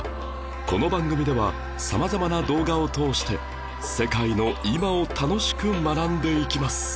この番組では様々な動画を通して世界の今を楽しく学んでいきます